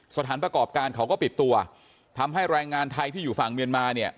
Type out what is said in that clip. สถานประกอบการเขาก็ปิดตัวทำให้แรงงานไทยที่อยู่ฝั่งเมียนมาเนี่ย